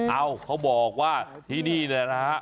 เอ้าเขาบอกว่าที่นี่นะฮะ